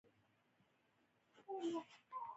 په ژوند کې مثبت فکر کول له منفي حالت څخه وژغوري.